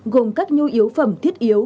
gồm các nhu yếu phẩm thiết yếu